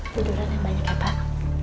duduran yang banyak ya pak